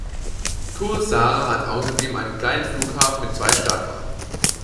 Kuressaare hat außerdem einen kleinen Flughafen mit zwei Startbahnen.